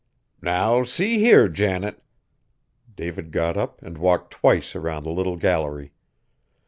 "Now see here, Janet!" David got up and walked twice around the little gallery.